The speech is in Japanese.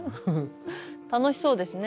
楽しそうですね。